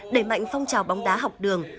đẩy mạnh phong trào bóng đá học đường